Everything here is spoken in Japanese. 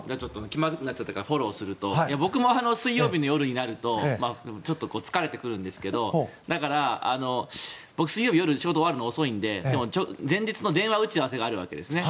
気まずくなっちゃったからフォローすると僕も水曜日の夜になるとちょっと疲れてくるんですけどだから、僕、水曜日夜仕事終わるのが遅いのででも、前日の電話打ち合わせがあるわけですね。